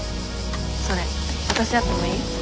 それわたしやってもいい？